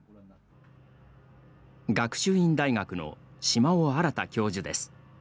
学習院大学の島尾新教授です。